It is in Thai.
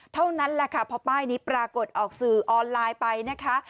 เท่านั้นแหละค่ะพอป้ายนี้ปรากฏออกสื่อออนไลน์ไปนะคะ